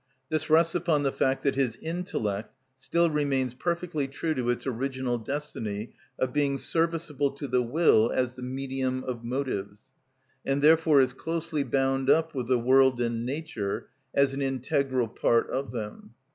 This rests upon the fact that his intellect still remains perfectly true to its original destiny of being serviceable to the will as the medium of motives, and therefore is closely bound up with the world and nature, as an integral part of them.